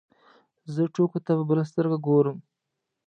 زه ټوکو ته په بله سترګه ګورم.